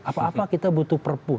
apa apa kita butuh perpu